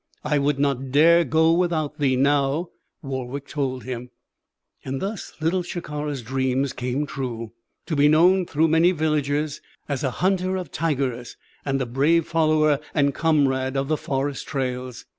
"I would not dare go without thee now," Warwick told him. And thus Little Shikara's dreams came true to be known through many villages as a hunter of tigers, and a brave follower and comrade of the forest trails.